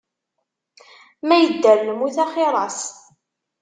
Ma yedder, lmut axir-as.